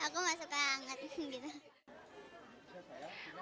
aku enggak suka hangat